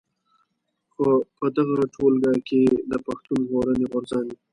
خو په دغه ټولګه کې د پښتون ژغورني غورځنګ.